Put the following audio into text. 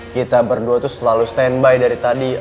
kita berdua tuh selalu standby dari tadi